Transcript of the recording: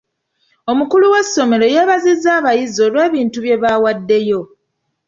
Omukulu w'essomero yeebazizza abayizi olw'ebintu bye baawaddeyo.